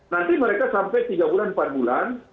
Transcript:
nanti mereka sampai tiga bulan empat bulan